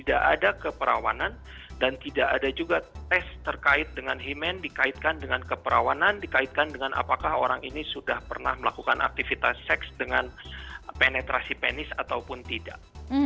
tidak ada keperawanan dan tidak ada juga tes terkait dengan himen dikaitkan dengan keperawanan dikaitkan dengan apakah orang ini sudah pernah melakukan aktivitas seks dengan penetrasi penis ataupun tidak